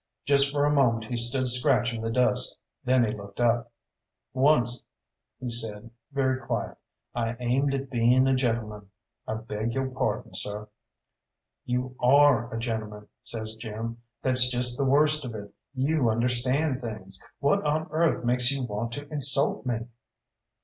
Just for a moment he stood scratching the dust, then he looked up. "Onced," he said, very quiet, "I aimed at being a gentleman. I beg yo' pardon, seh." "You are a gentleman," says Jim, "that's just the worst of it you understand things. What on earth makes you want to insult me?"